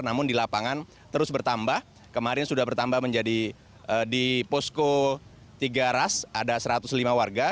namun di lapangan terus bertambah kemarin sudah bertambah menjadi di posko tiga ras ada satu ratus lima warga